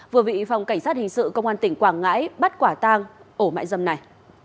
vừa bị phòng cảnh sát hình sự công an tỉnh quảng ngãi bắt quả tang ổ mại dâm này